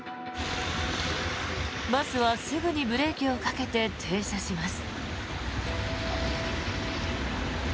バスはすぐにブレーキをかけて停車します。